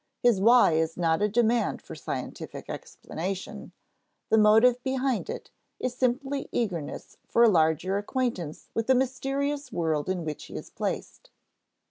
His why is not a demand for scientific explanation; the motive behind it is simply eagerness for a larger acquaintance with the mysterious world in which he is placed.